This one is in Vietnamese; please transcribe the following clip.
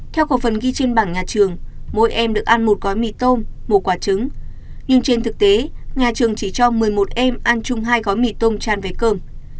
theo cổ phần ghi trên bảng nhà trường mỗi em được ăn một gói mì tôm một quả trứng nhưng trên thực tế nhà trường chỉ cho một mươi một em ăn chung hai gói mì tôm tràn về cơm